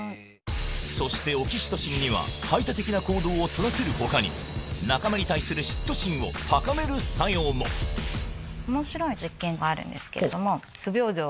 そしてオキシトシンには排他的な行動をとらせる他に仲間に対する嫉妬心を高める作用も面白い実験があるんですけれども。